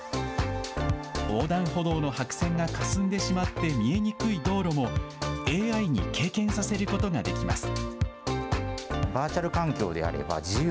横断歩道の白線がかすんでしまって見えにくい道路も、ＡＩに経験させることができます。